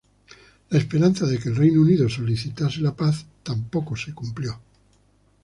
La esperanza de que el Reino Unido solicitase la paz tampoco se cumplió.